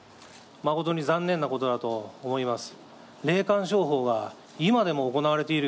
誠に残念なことだと思います。